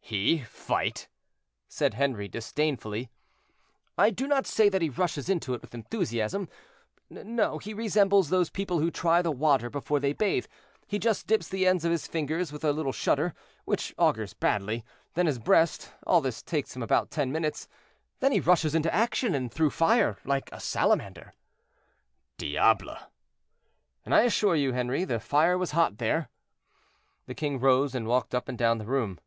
"He fight!" said Henri, disdainfully. "I do not say that he rushes into it with enthusiasm; no, he resembles those people who try the water before they bathe; he just dips the ends of his fingers with a little shudder, which augurs badly, then his breast; all this takes him about ten minutes, and then he rushes into action, and through fire, like a salamander." "Diable!" "And I assure you, Henri, the fire was hot there." The king rose and walked up and down the room.